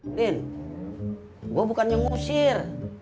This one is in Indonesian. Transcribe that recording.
ndien gua bukannya ngusir